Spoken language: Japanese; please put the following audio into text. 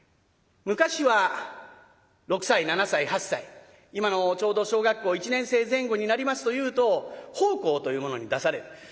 昔は６歳７歳８歳今のちょうど小学校１年生前後になりますというと奉公というものに出される。